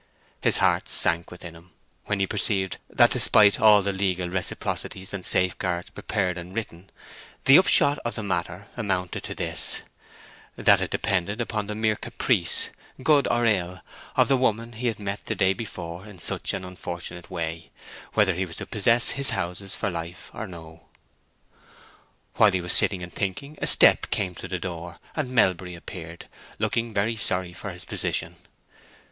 His heart sank within him when he perceived that despite all the legal reciprocities and safeguards prepared and written, the upshot of the matter amounted to this, that it depended upon the mere caprice—good or ill—of the woman he had met the day before in such an unfortunate way, whether he was to possess his houses for life or no. While he was sitting and thinking a step came to the door, and Melbury appeared, looking very sorry for his position.